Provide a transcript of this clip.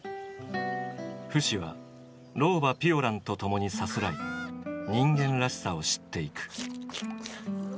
フシは老婆ピオランと共にさすらい人間らしさを知っていく。